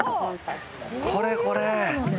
これこれ！